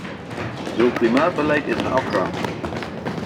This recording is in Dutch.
Zo'n klimaatbeleid is een afgang.